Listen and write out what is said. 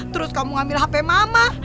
terus kamu ambil handphone mama